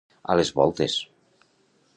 A les voltes.